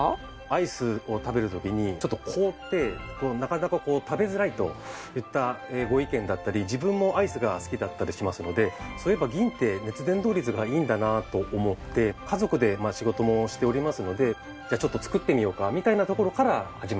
アイスを食べる時に凍ってなかなか食べづらいといったご意見だったり自分もアイスが好きだったりしますのでそういえば銀って熱伝導率がいいんだなと思って家族で仕事もしておりますのでじゃあちょっと作ってみようかみたいなところから始まりました。